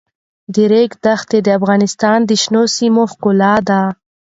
د ریګ دښتې د افغانستان د شنو سیمو ښکلا ده.